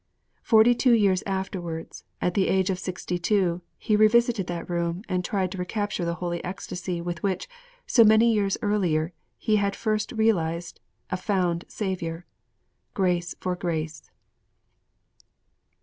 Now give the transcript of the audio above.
_' Forty two years afterwards, at the age of sixty two, he revisited that room and tried to recapture the holy ecstasy with which, so many years earlier, he had 'first realized a found Saviour.' '_Grace for grace!